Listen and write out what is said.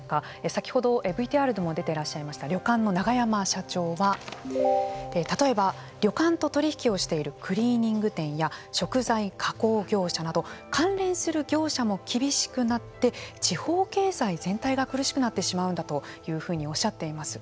先ほどＶＴＲでも出ていらっしゃいました旅館の永山社長は例えば旅館と取り引きをしているクリーニング店や食材加工業者など関連する業者も厳しくなって地方経済全体が苦しくなってしまうんだというふうにおっしゃっています。